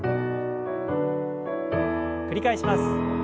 繰り返します。